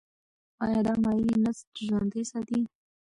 ایا دا مایع نسج ژوندی ساتي؟